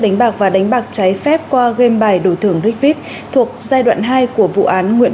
đánh bạc và đánh bạc trái phép qua game bài đổi thưởng rickvip thuộc giai đoạn hai của vụ án nguyễn